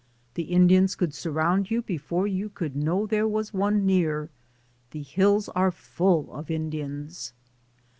The Indians could surround you be fore you could know there was one near. The hills are full of Indians."